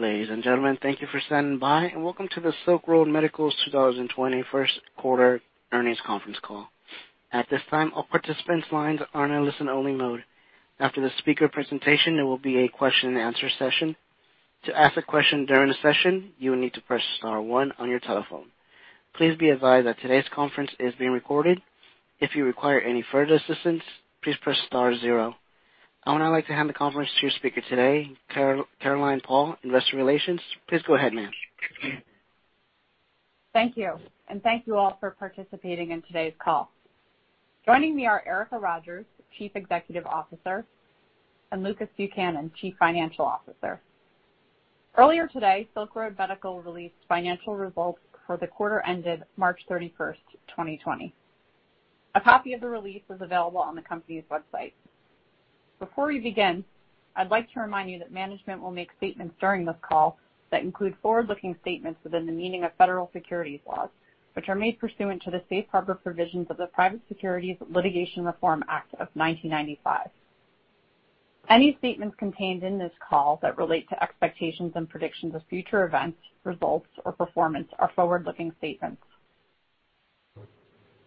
Ladies and gentlemen, thank you for standing by, and welcome to the Silk Road Medical's 2020 First Quarter Earnings Conference Call. At this time, all participants' lines are in a listen-only mode. After the speaker presentation, there will be a question-and-answer session. To ask a question during the session, you will need to press star one on your telephone. Please be advised that today's conference is being recorded. If you require any further assistance, please press star zero. I would now like to hand the conference to your speaker today, Caroline Paul, Investor Relations. Please go ahead, ma'am. Thank you. Thank you all for participating in today's call. Joining me are Erica Rogers, Chief Executive Officer, and Lucas Buchanan, Chief Financial Officer. Earlier today, Silk Road Medical released financial results for the quarter ended March 31st, 2020. A copy of the release is available on the company's website. Before we begin, I'd like to remind you that management will make statements during this call that include forward-looking statements within the meaning of federal securities laws, which are made pursuant to the safe harbor provisions of the Private Securities Litigation Reform Act of 1995. Any statements contained in this call that relate to expectations and predictions of future events, results, or performance are forward-looking statements.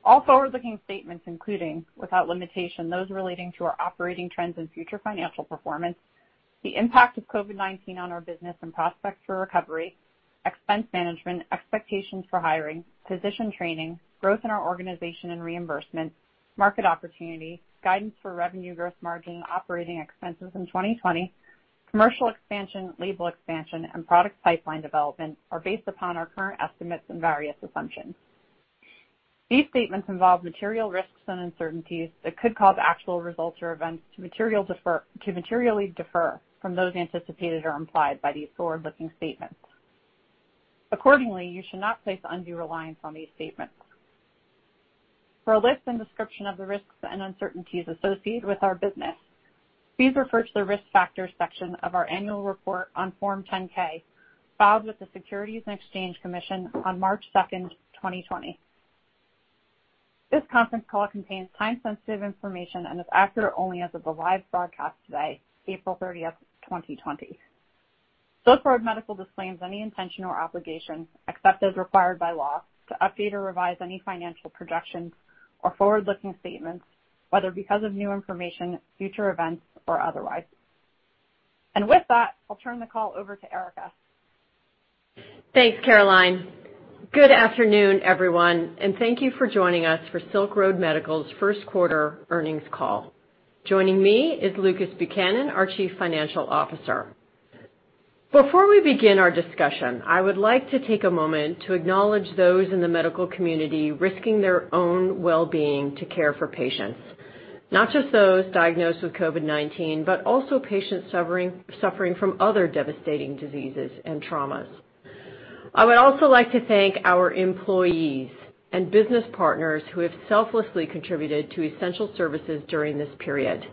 All forward-looking statements, including without limitation, those relating to our operating trends and future financial performance, the impact of COVID-19 on our business and prospects for recovery, expense management, expectations for hiring, position training, growth in our organization and reimbursement, market opportunity, guidance for revenue, gross margin, and operating expenses in 2020, commercial expansion, label expansion, and product pipeline development are based upon our current estimates and various assumptions. These statements involve material risks and uncertainties that could cause actual results or events to materially differ from those anticipated or implied by these forward-looking statements. Accordingly, you should not place undue reliance on these statements. For a list and description of the risks and uncertainties associated with our business, please refer to the risk factors section of our annual report on Form 10-K filed with the Securities and Exchange Commission on March 2nd, 2020. This conference call contains time-sensitive information and is accurate only as of the live broadcast today, April 30th, 2020. Silk Road Medical disclaims any intention or obligation, except as required by law, to update or revise any financial projections or forward-looking statements, whether because of new information, future events, or otherwise. With that, I'll turn the call over to Erica. Thanks, Caroline. Good afternoon, everyone, and thank you for joining us for Silk Road Medical's First Quarter Earnings Call. Joining me is Lucas Buchanan, our Chief Financial Officer. Before we begin our discussion, I would like to take a moment to acknowledge those in the medical community risking their own well-being to care for patients, not just those diagnosed with COVID-19, but also patients suffering from other devastating diseases and traumas. I would also like to thank our employees and business partners who have selflessly contributed to essential services during this period.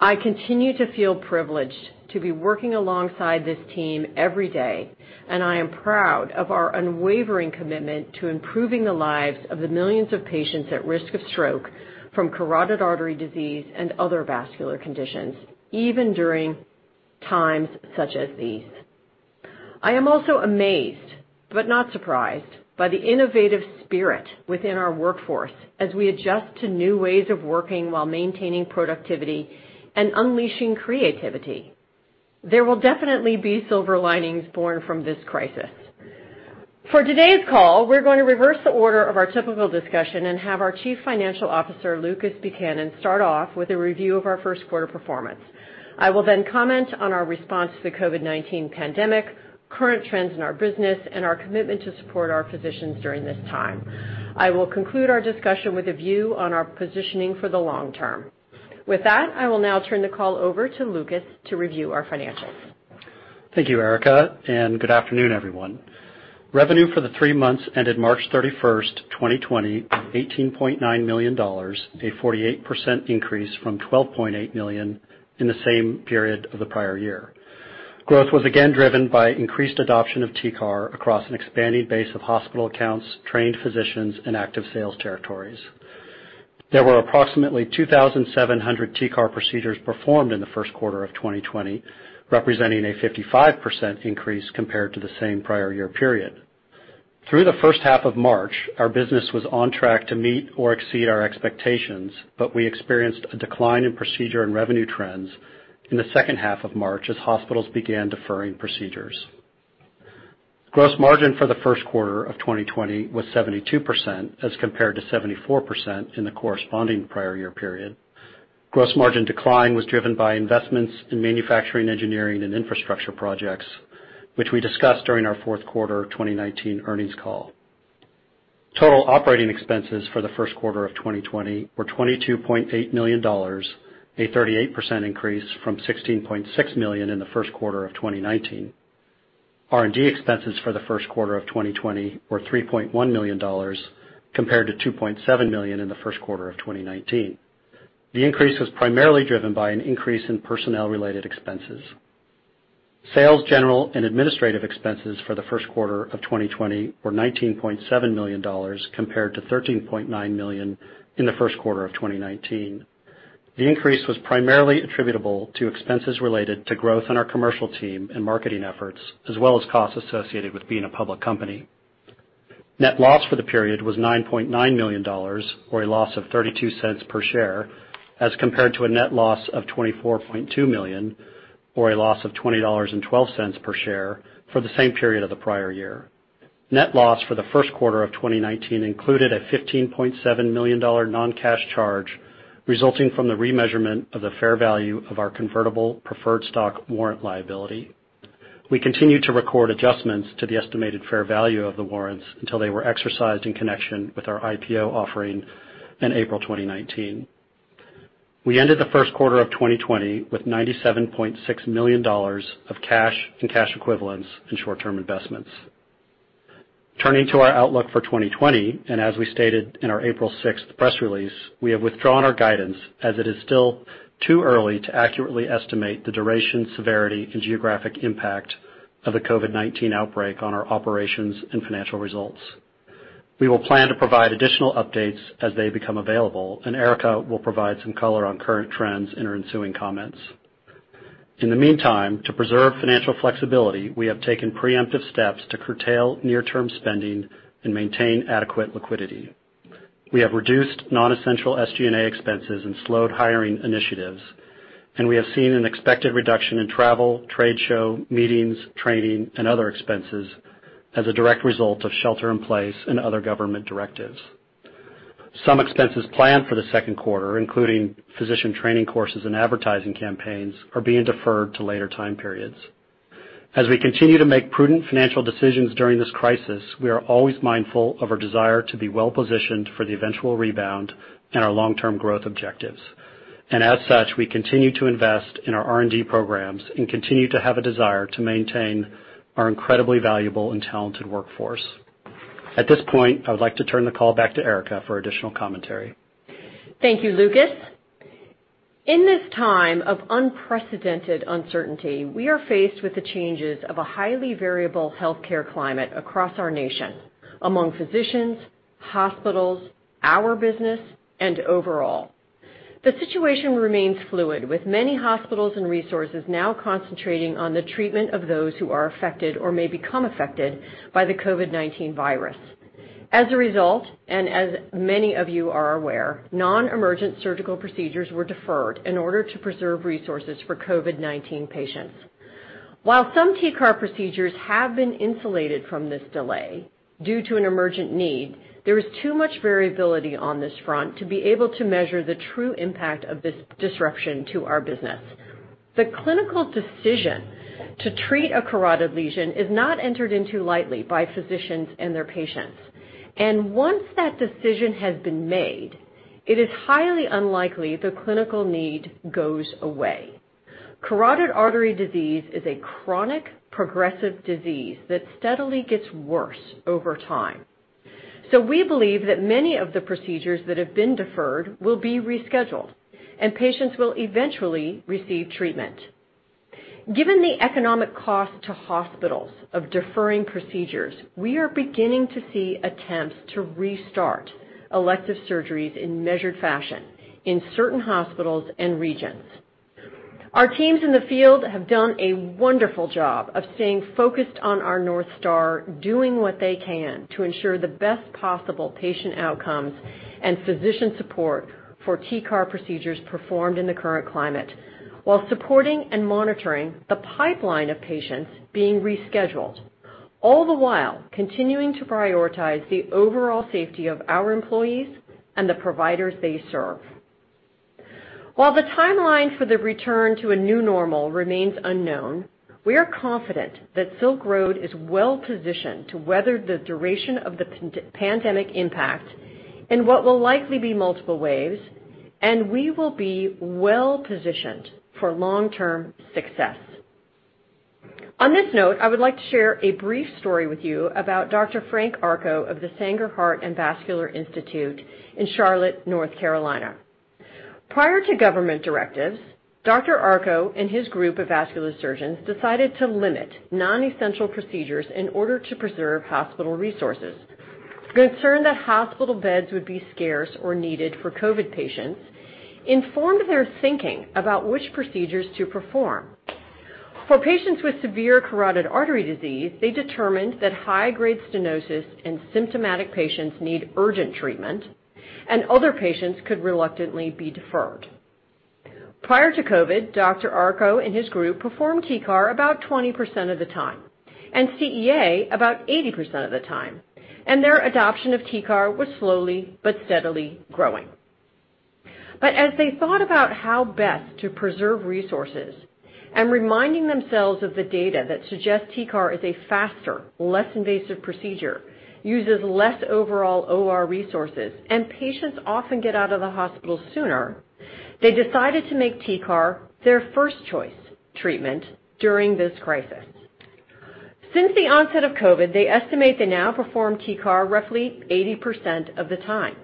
I continue to feel privileged to be working alongside this team every day, and I am proud of our unwavering commitment to improving the lives of the millions of patients at risk of stroke from carotid artery disease and other vascular conditions, even during times such as these. I am also amazed, but not surprised, by the innovative spirit within our workforce as we adjust to new ways of working while maintaining productivity and unleashing creativity. There will definitely be silver linings born from this crisis. For today's call, we're going to reverse the order of our typical discussion and have our Chief Financial Officer, Lucas Buchanan, start off with a review of our first quarter performance. I will then comment on our response to the COVID-19 pandemic, current trends in our business, and our commitment to support our physicians during this time. I will conclude our discussion with a view on our positioning for the long term. With that, I will now turn the call over to Lucas to review our financials. Thank you, Erica, and good afternoon, everyone. Revenue for the three months ended March 31st, 2020, was $18.9 million, a 48% increase from $12.8 million in the same period of the prior year. Growth was again driven by increased adoption of TCAR across an expanding base of hospital accounts, trained physicians, and active sales territories. There were approximately 2,700 TCAR procedures performed in the first quarter of 2020, representing a 55% increase compared to the same prior year period. Through the first half of March, our business was on track to meet or exceed our expectations, but we experienced a decline in procedure and revenue trends in the second half of March as hospitals began deferring procedures. Gross margin for the first quarter of 2020 was 72% as compared to 74% in the corresponding prior year period. Gross margin decline was driven by investments in manufacturing, engineering, and infrastructure projects, which we discussed during our fourth quarter 2019 earnings call. Total operating expenses for the first quarter of 2020 were $22.8 million, a 38% increase from $16.6 million in the first quarter of 2019. R&D expenses for the first quarter of 2020 were $3.1 million compared to $2.7 million in the first quarter of 2019. The increase was primarily driven by an increase in personnel-related expenses. Sales, general, and administrative expenses for the first quarter of 2020 were $19.7 million compared to $13.9 million in the first quarter of 2019. The increase was primarily attributable to expenses related to growth in our commercial team and marketing efforts, as well as costs associated with being a public company. Net loss for the period was $9.9 million, or a loss of $0.32 per share, as compared to a net loss of $24.2 million, or a loss of $20.12 per share for the same period of the prior year. Net loss for the first quarter of 2019 included a $15.7 million non-cash charge resulting from the remeasurement of the fair value of our convertible preferred stock warrant liability. We continued to record adjustments to the estimated fair value of the warrants until they were exercised in connection with our IPO offering in April 2019. We ended the first quarter of 2020 with $97.6 million of cash and cash equivalents in short-term investments. Turning to our outlook for 2020, and as we stated in our April 6th press release, we have withdrawn our guidance as it is still too early to accurately estimate the duration, severity, and geographic impact of the COVID-19 outbreak on our operations and financial results. We will plan to provide additional updates as they become available, and Erica will provide some color on current trends in her ensuing comments. In the meantime, to preserve financial flexibility, we have taken preemptive steps to curtail near-term spending and maintain adequate liquidity. We have reduced non-essential SG&A expenses and slowed hiring initiatives, and we have seen an expected reduction in travel, trade show, meetings, training, and other expenses as a direct result of shelter-in-place and other government directives. Some expenses planned for the second quarter, including physician training courses and advertising campaigns, are being deferred to later time periods. As we continue to make prudent financial decisions during this crisis, we are always mindful of our desire to be well-positioned for the eventual rebound and our long-term growth objectives. As such, we continue to invest in our R&D programs and continue to have a desire to maintain our incredibly valuable and talented workforce. At this point, I would like to turn the call back to Erica for additional commentary. Thank you, Lucas. In this time of unprecedented uncertainty, we are faced with the changes of a highly variable healthcare climate across our nation among physicians, hospitals, our business, and overall. The situation remains fluid, with many hospitals and resources now concentrating on the treatment of those who are affected or may become affected by the COVID-19 virus. As a result, and as many of you are aware, non-emergent surgical procedures were deferred in order to preserve resources for COVID-19 patients. While some TCAR procedures have been insulated from this delay due to an emergent need, there is too much variability on this front to be able to measure the true impact of this disruption to our business. The clinical decision to treat a carotid lesion is not entered into lightly by physicians and their patients. Once that decision has been made, it is highly unlikely the clinical need goes away. Carotid artery disease is a chronic progressive disease that steadily gets worse over time. We believe that many of the procedures that have been deferred will be rescheduled, and patients will eventually receive treatment. Given the economic cost to hospitals of deferring procedures, we are beginning to see attempts to restart elective surgeries in measured fashion in certain hospitals and regions. Our teams in the field have done a wonderful job of staying focused on our North Star, doing what they can to ensure the best possible patient outcomes and physician support for TCAR procedures performed in the current climate, while supporting and monitoring the pipeline of patients being rescheduled, all the while continuing to prioritize the overall safety of our employees and the providers they serve. While the timeline for the return to a new normal remains unknown, we are confident that Silk Road is well-positioned to weather the duration of the pandemic impact in what will likely be multiple waves, and we will be well-positioned for long-term success. On this note, I would like to share a brief story with you about Dr. Frank Arko of the Sanger Heart & Vascular Institute in Charlotte, North Carolina. Prior to government directives, Dr. Arko and his group of vascular surgeons decided to limit non-essential procedures in order to preserve hospital resources. Concerned that hospital beds would be scarce or needed for COVID patients, informed their thinking about which procedures to perform. For patients with severe carotid artery disease, they determined that high-grade stenosis and symptomatic patients need urgent treatment, and other patients could reluctantly be deferred. Prior to COVID, Dr. Arko and his group performed TCAR about 20% of the time and CEA about 80% of the time, and their adoption of TCAR was slowly but steadily growing. As they thought about how best to preserve resources and reminding themselves of the data that suggests TCAR is a faster, less invasive procedure, uses less overall OR resources, and patients often get out of the hospital sooner, they decided to make TCAR their first choice treatment during this crisis. Since the onset of COVID, they estimate they now perform TCAR roughly 80% of the time,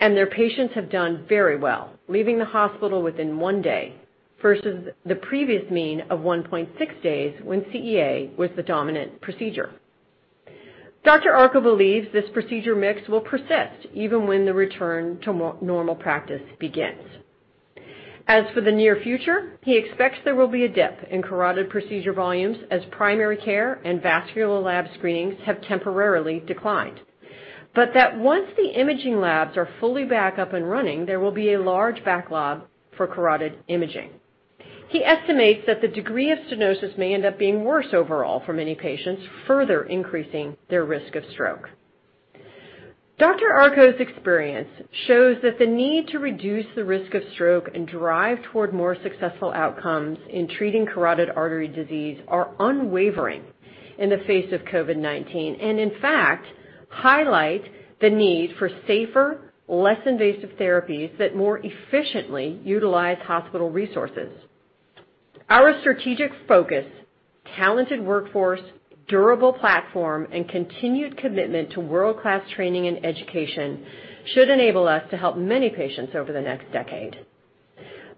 and their patients have done very well, leaving the hospital within one day versus the previous mean of 1.6 days when CEA was the dominant procedure. Dr. Arko believes this procedure mix will persist even when the return to normal practice begins. As for the near future, he expects there will be a dip in carotid procedure volumes as primary care and vascular lab screenings have temporarily declined, but that once the imaging labs are fully back up and running, there will be a large backlog for carotid imaging. He estimates that the degree of stenosis may end up being worse overall for many patients, further increasing their risk of stroke. Dr. Arko's experience shows that the need to reduce the risk of stroke and drive toward more successful outcomes in treating carotid artery disease are unwavering in the face of COVID-19 and, in fact, highlight the need for safer, less invasive therapies that more efficiently utilize hospital resources. Our strategic focus, talented workforce, durable platform, and continued commitment to world-class training and education should enable us to help many patients over the next decade.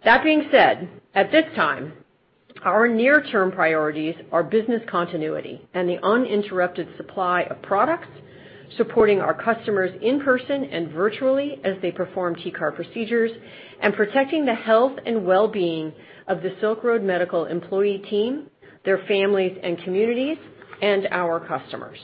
That being said, at this time, our near-term priorities are business continuity and the uninterrupted supply of products supporting our customers in person and virtually as they perform TCAR procedures and protecting the health and well-being of the Silk Road Medical employee team, their families and communities, and our customers.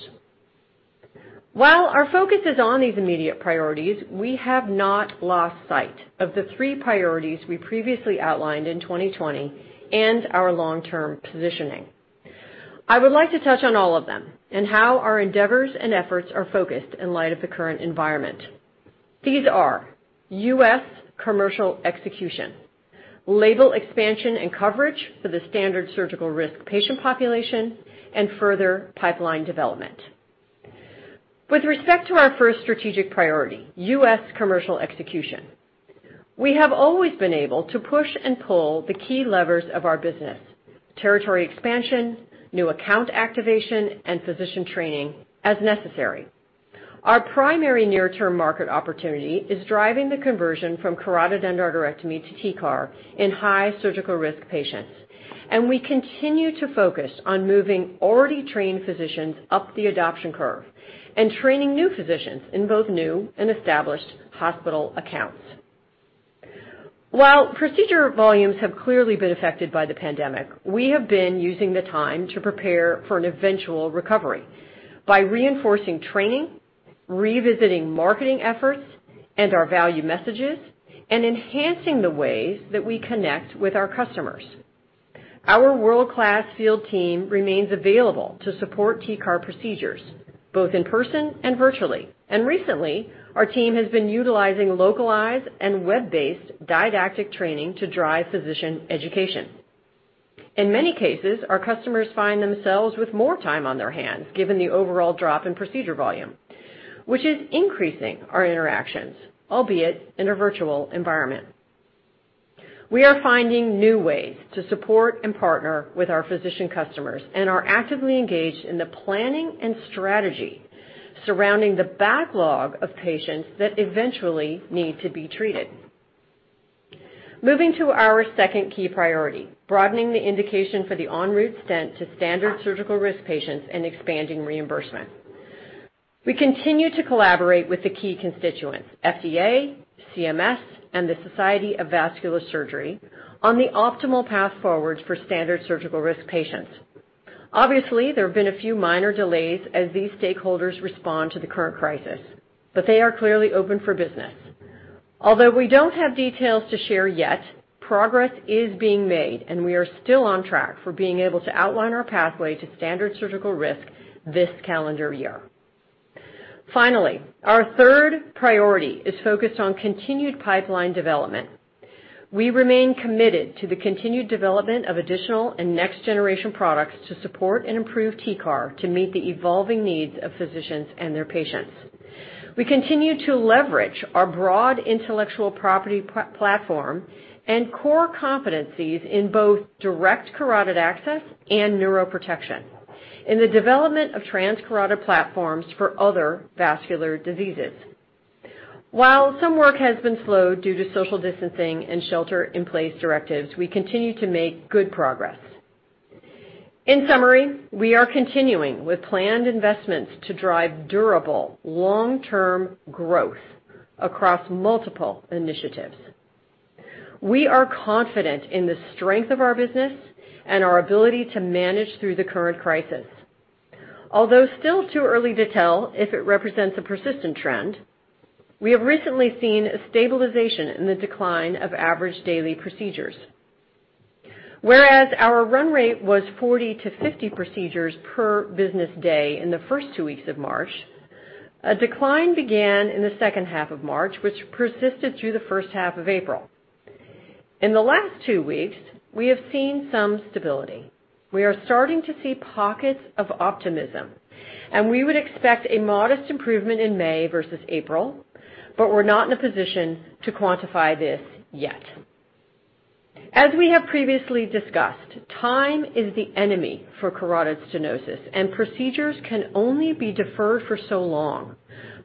While our focus is on these immediate priorities, we have not lost sight of the three priorities we previously outlined in 2020 and our long-term positioning. I would like to touch on all of them and how our endeavors and efforts are focused in light of the current environment. These are U.S. commercial execution, label expansion and coverage for the standard surgical risk patient population, and further pipeline development. With respect to our first strategic priority, U.S. commercial execution, we have always been able to push and pull the key levers of our business: territory expansion, new account activation, and physician training as necessary. Our primary near-term market opportunity is driving the conversion from carotid endarterectomy to TCAR in high surgical risk patients, and we continue to focus on moving already trained physicians up the adoption curve and training new physicians in both new and established hospital accounts. While procedure volumes have clearly been affected by the pandemic, we have been using the time to prepare for an eventual recovery by reinforcing training, revisiting marketing efforts and our value messages, and enhancing the ways that we connect with our customers. Our world-class field team remains available to support TCAR procedures both in person and virtually. Recently, our team has been utilizing localized and web-based didactic training to drive physician education. In many cases, our customers find themselves with more time on their hands given the overall drop in procedure volume, which is increasing our interactions, albeit in a virtual environment. We are finding new ways to support and partner with our physician customers and are actively engaged in the planning and strategy surrounding the backlog of patients that eventually need to be treated. Moving to our second key priority, broadening the indication for the ENROUTE stent to standard surgical risk patients and expanding reimbursement. We continue to collaborate with the key constituents, FDA, CMS, and the Society of Vascular Surgery, on the optimal path forward for standard surgical risk patients. Obviously, there have been a few minor delays as these stakeholders respond to the current crisis, but they are clearly open for business. Although we don't have details to share yet, progress is being made, and we are still on track for being able to outline our pathway to standard surgical risk this calendar year. Finally, our third priority is focused on continued pipeline development. We remain committed to the continued development of additional and next-generation products to support and improve TCAR to meet the evolving needs of physicians and their patients. We continue to leverage our broad intellectual property platform and core competencies in both direct carotid access and neuroprotection in the development of transcarotid platforms for other vascular diseases. While some work has been slowed due to social distancing and shelter-in-place directives, we continue to make good progress. In summary, we are continuing with planned investments to drive durable long-term growth across multiple initiatives. We are confident in the strength of our business and our ability to manage through the current crisis. Although still too early to tell if it represents a persistent trend, we have recently seen a stabilization in the decline of average daily procedures. Whereas our run rate was 40-50 procedures per business day in the first two weeks of March, a decline began in the second half of March, which persisted through the first half of April. In the last two weeks, we have seen some stability. We are starting to see pockets of optimism, and we would expect a modest improvement in May versus April, but we're not in a position to quantify this yet. As we have previously discussed, time is the enemy for carotid stenosis, and procedures can only be deferred for so long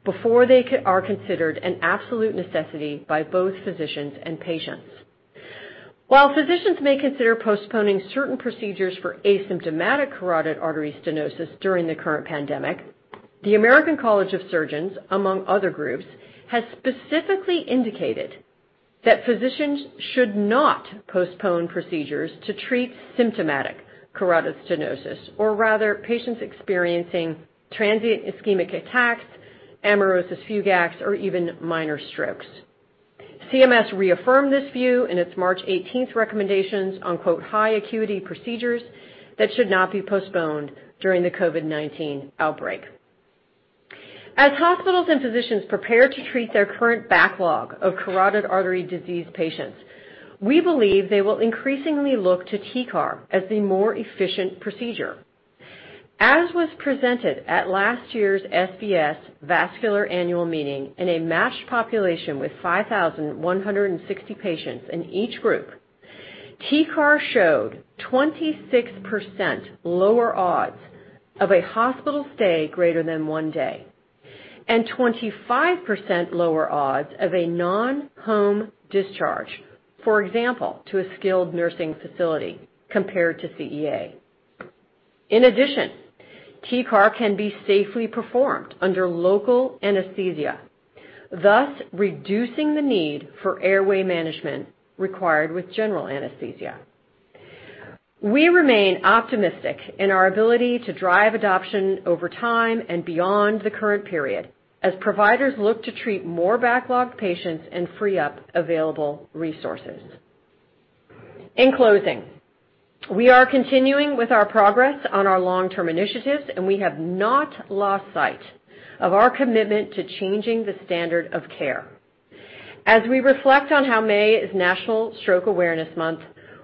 before they are considered an absolute necessity by both physicians and patients. While physicians may consider postponing certain procedures for asymptomatic carotid artery stenosis during the current pandemic, the American College of Surgeons, among other groups, has specifically indicated that physicians should not postpone procedures to treat symptomatic carotid stenosis, or rather patients experiencing transient ischemic attacks, amaurosis fugax, or even minor strokes. CMS reaffirmed this view in its March 18th recommendations on "high acuity procedures that should not be postponed during the COVID-19 outbreak." As hospitals and physicians prepare to treat their current backlog of carotid artery disease patients, we believe they will increasingly look to TCAR as the more efficient procedure. As was presented at last year's SVS vascular annual meeting in a matched population with 5,160 patients in each group, TCAR showed 26% lower odds of a hospital stay greater than one day and 25% lower odds of a non-home discharge, for example, to a skilled nursing facility compared to CEA. In addition, TCAR can be safely performed under local anesthesia, thus reducing the need for airway management required with general anesthesia. We remain optimistic in our ability to drive adoption over time and beyond the current period as providers look to treat more backlogged patients and free up available resources. In closing, we are continuing with our progress on our long-term initiatives, and we have not lost sight of our commitment to changing the standard of care. As we reflect on how May is National Stroke Awareness Month,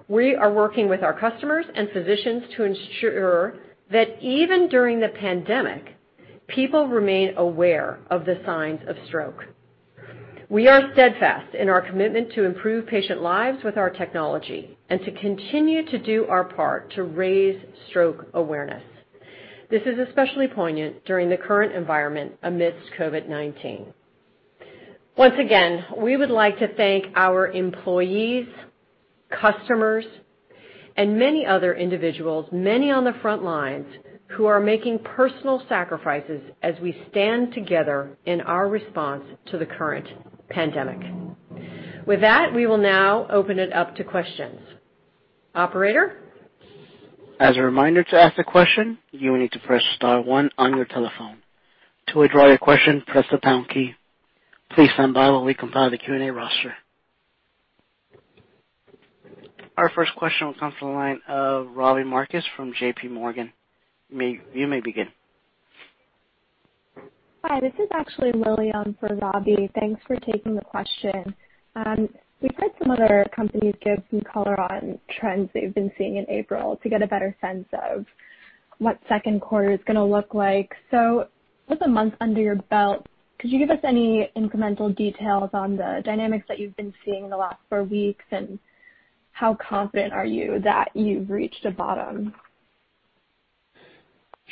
we are working with our customers and physicians to ensure that even during the pandemic, people remain aware of the signs of stroke. We are steadfast in our commitment to improve patient lives with our technology and to continue to do our part to raise stroke awareness. This is especially poignant during the current environment amidst COVID-19. Once again, we would like to thank our employees, customers, and many other individuals, many on the front lines, who are making personal sacrifices as we stand together in our response to the current pandemic. With that, we will now open it up to questions. Operator. As a reminder to ask a question, you will need to press star one on your telephone. To withdraw your question, press the pound key. Please stand by while we compile the Q&A roster. Our first question will come from the line of Robbie Marcus from JPMorgan. You may begin. Hi. This is actually Lillian for Robbie. Thanks for taking the question. We've heard some other companies give some color on trends they've been seeing in April to get a better sense of what second quarter is going to look like. With a month under your belt, could you give us any incremental details on the dynamics that you've been seeing in the last four weeks, and how confident are you that you've reached a bottom?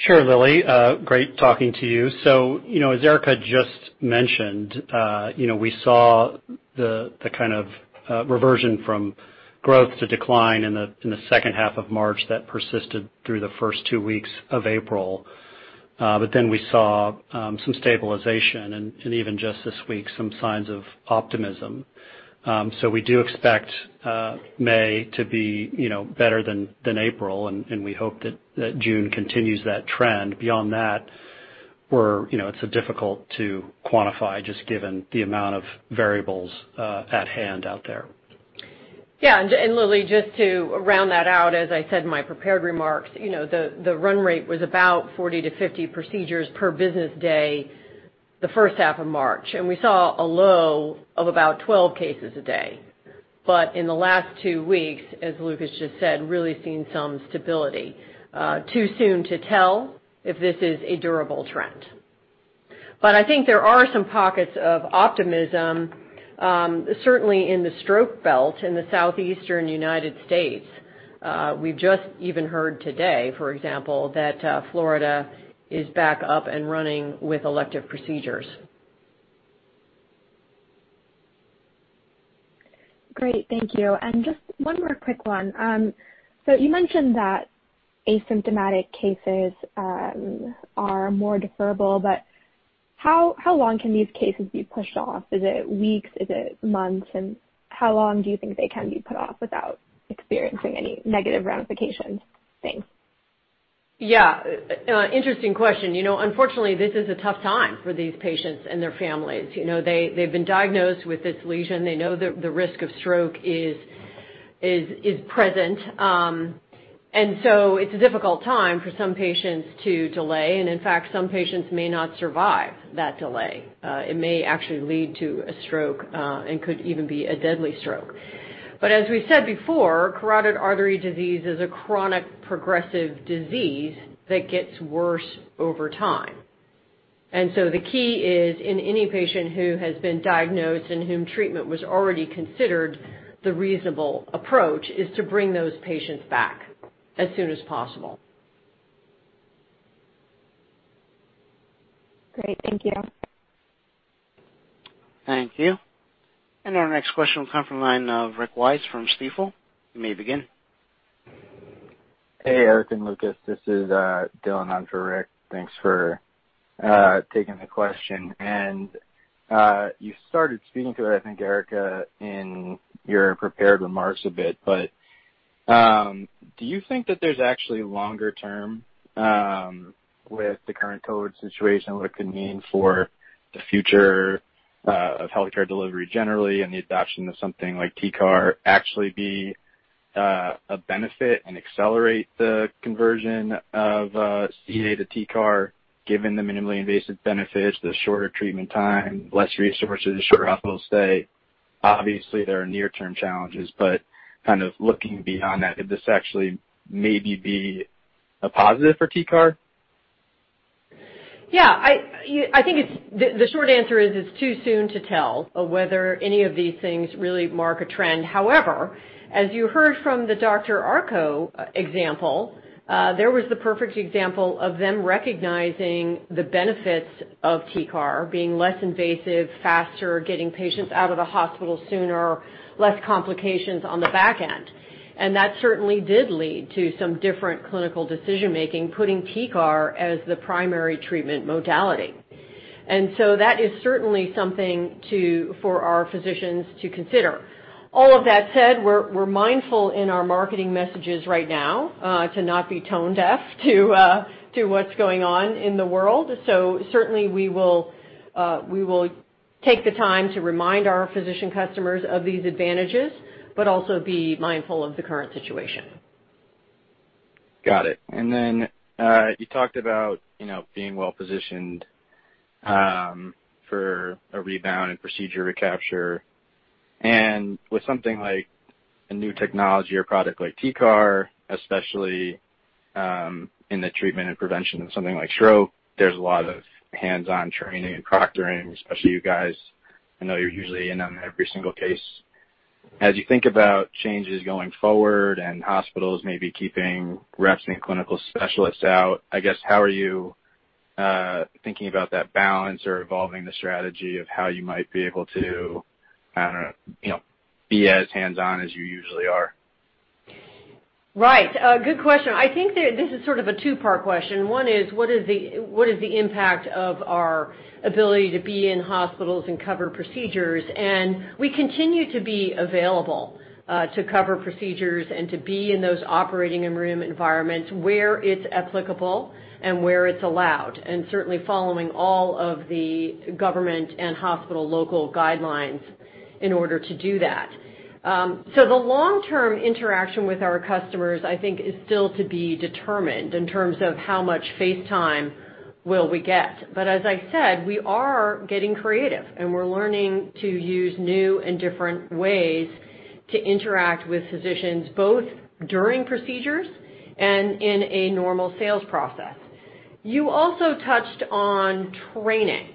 Sure, Lilly. Great talking to you. As Erica just mentioned, we saw the kind of reversion from growth to decline in the second half of March that persisted through the first two weeks of April. We saw some stabilization and even just this week some signs of optimism. We do expect May to be better than April, and we hope that June continues that trend. Beyond that, it's difficult to quantify just given the amount of variables at hand out there. Yeah. And Lilly, just to round that out, as I said in my prepared remarks, the run rate was about 40-50 procedures per business day the first half of March, and we saw a low of about 12 cases a day. In the last two weeks, as Lucas just said, really seen some stability. Too soon to tell if this is a durable trend. I think there are some pockets of optimism, certainly in the stroke belt in the southeastern United States. We've just even heard today, for example, that Florida is back up and running with elective procedures. Great. Thank you. And just one more quick one. You mentioned that asymptomatic cases are more deferable, but how long can these cases be pushed off? Is it weeks? Is it months? And how long do you think they can be put off without experiencing any negative ramifications? Thanks. Yeah. Interesting question. Unfortunately, this is a tough time for these patients and their families. They've been diagnosed with this lesion. They know that the risk of stroke is present. It is a difficult time for some patients to delay. In fact, some patients may not survive that delay. It may actually lead to a stroke and could even be a deadly stroke. As we said before, carotid artery disease is a chronic progressive disease that gets worse over time. The key is, in any patient who has been diagnosed and whom treatment was already considered, the reasonable approach is to bring those patients back as soon as possible. Great. Thank you. Thank you. Our next question will come from the line of Rick Wise from Stifel. You may begin. Hey, Erica and Lucas. This is Dylan. I'm for Rick. Thanks for taking the question. You started speaking to it, I think, Erica, in your prepared remarks a bit. Do you think that there's actually longer term with the current COVID situation what it could mean for the future of healthcare delivery generally and the adoption of something like TCAR actually be a benefit and accelerate the conversion of CEA to TCAR given the minimally invasive benefits, the shorter treatment time, less resources, shorter hospital stay? Obviously, there are near-term challenges, but kind of looking beyond that, could this actually maybe be a positive for TCAR? Yeah. I think the short answer is it's too soon to tell whether any of these things really mark a trend. However, as you heard from the Dr. Arko example, there was the perfect example of them recognizing the benefits of TCAR being less invasive, faster, getting patients out of the hospital sooner, less complications on the back end. That certainly did lead to some different clinical decision-making, putting TCAR as the primary treatment modality. That is certainly something for our physicians to consider. All of that said, we're mindful in our marketing messages right now to not be tone-deaf to what's going on in the world. Certainly, we will take the time to remind our physician customers of these advantages, but also be mindful of the current situation. Got it. You talked about being well-positioned for a rebound and procedure recapture. With something like a new technology or product like TCAR, especially in the treatment and prevention of something like stroke, there is a lot of hands-on training and proctoring, especially you guys. I know you are usually in on every single case. As you think about changes going forward and hospitals maybe keeping reps and clinical specialists out, I guess, how are you thinking about that balance or evolving the strategy of how you might be able to be as hands-on as you usually are? Right. Good question. I think this is sort of a two-part question. One is, what is the impact of our ability to be in hospitals and cover procedures? We continue to be available to cover procedures and to be in those operating room environments where it's applicable and where it's allowed, and certainly following all of the government and hospital local guidelines in order to do that. The long-term interaction with our customers, I think, is still to be determined in terms of how much face time we will get. As I said, we are getting creative, and we're learning to use new and different ways to interact with physicians both during procedures and in a normal sales process. You also touched on training.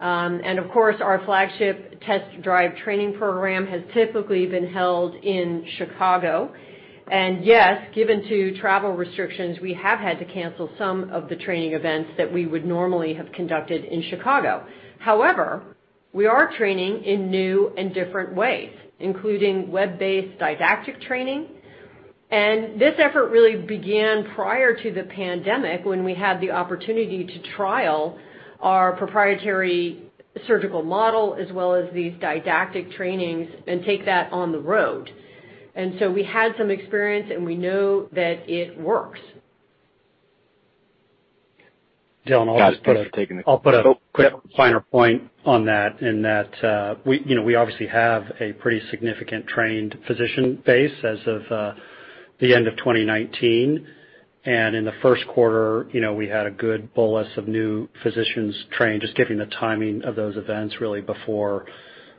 Of course, our flagship TEST Drive training program has typically been held in Chicago. Yes, given travel restrictions, we have had to cancel some of the training events that we would normally have conducted in Chicago. However, we are training in new and different ways, including web-based didactic training. This effort really began prior to the pandemic when we had the opportunity to trial our proprietary surgical model as well as these didactic trainings and take that on the road. We had some experience, and we know that it works. Dylan, I'll just put a quick final point on that in that we obviously have a pretty significant trained physician base as of the end of 2019. In the first quarter, we had a good bolus of new physicians trained, just given the timing of those events really before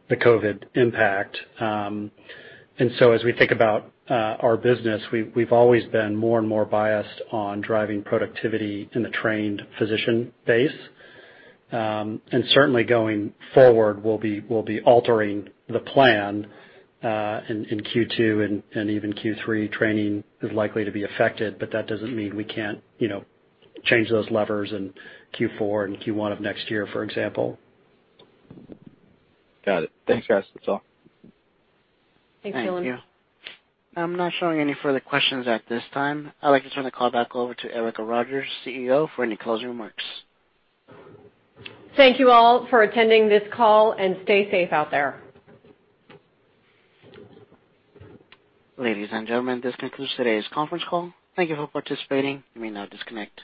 the COVID impact. As we think about our business, we've always been more and more biased on driving productivity in the trained physician base. Certainly, going forward, we'll be altering the plan in Q2 and even Q3. Training is likely to be affected, but that doesn't mean we can't change those levers in Q4 and Q1 of next year, for example. Got it. Thanks, guys. That's all. Thanks, Dylan. Thank you. I'm not showing any further questions at this time. I'd like to turn the call back over to Erica Rogers, CEO, for any closing remarks. Thank you all for attending this call, and stay safe out there. Ladies and gentlemen, this concludes today's conference call. Thank you for participating. You may now disconnect.